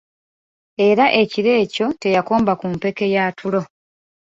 Era ekiro ekyo teyakomba ku mpeke ya tulo.